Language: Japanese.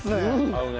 合うね。